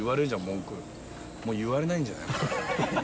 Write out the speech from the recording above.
文句もう言えないんじゃない？